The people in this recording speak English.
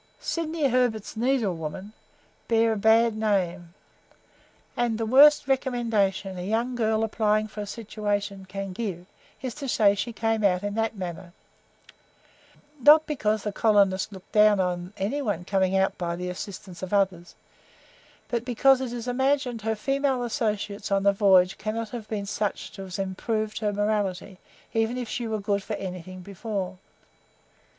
"Sydney Herbert's needlewomen" bear but a bad name; and the worst recommendation a young girl applying for a situation can give, is to say she came out in that manner not because the colonists look down on any one coming out by the assistance of others, but because it is imagined her female associates on the voyage cannot have been such as to improve her morality, even if she were good for anything before.